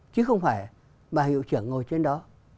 chứ không phải bà hiệu trưởng ngồi trên đó